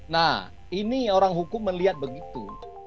nah ini orang hukum melihat begitu